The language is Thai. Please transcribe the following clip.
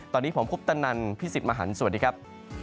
ตอนนี้ผมคุปตนันพี่สิทธิ์มหันฯสวัสดีครับ